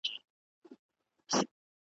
خیر دئ دا بدي ورځي به تیري سي